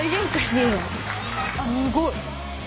すごい。